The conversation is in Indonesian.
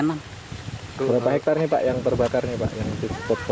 berapa hektare yang terbakarnya pak